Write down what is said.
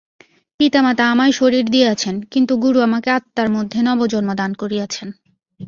পিতামাতা আমায় শরীর দিয়াছেন, কিন্তু গুরু আমাকে আত্মার মধ্যে নবজন্ম দান করিয়াছেন।